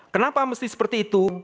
kenapa mesti seperti itu